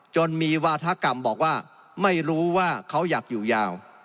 จนมีวาธกรรมบอกว่าไม่รู้ว่าเขาอยากอยู่ยาว